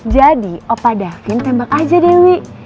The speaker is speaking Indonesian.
jadi opa davin tembak aja dewi